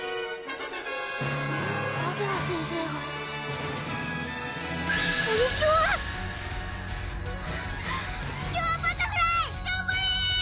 あげは先生がプリキュア⁉キュアバタフライ頑張れ！